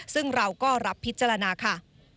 ซึ่งเราก็รับพิจารณาค่ะ